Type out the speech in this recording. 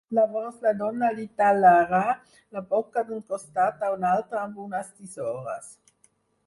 Llavors la dona li tallarà la boca d'un costat a un altre amb unes tisores.